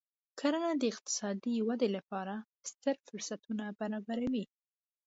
کرنه د اقتصادي ودې لپاره ستر فرصتونه برابروي.